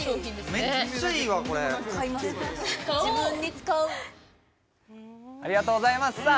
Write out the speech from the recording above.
めっちゃいいわこれ買おうありがとうございますさあ